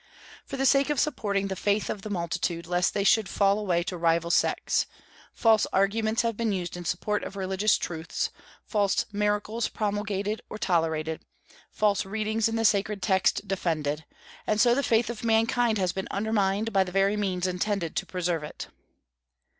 For the sake of supporting the faith of the multitude, lest they should fall away to rival sects, ... false arguments have been used in support of religious truths, false miracles promulgated or tolerated, false readings in the sacred text defended. And so the faith of mankind has been undermined by the very means intended to preserve it."